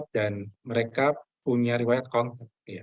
dan mereka punya riwayat konten